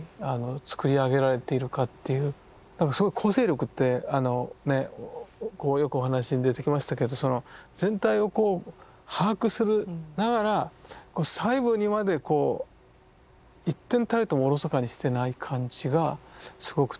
だから構成力ってねよくお話に出てきましたけどその全体を把握するながら細部にまでこう一点たりともおろそかにしてない感じがすごくてね。